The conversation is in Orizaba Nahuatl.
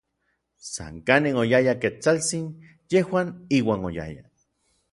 San kanin oyaya Ketsaltsin, yejuan iuan oyayaj.